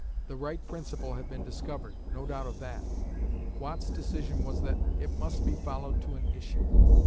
The right principle had been discovered; no doubt of that. Watt's decision was that "it must be followed to an issue."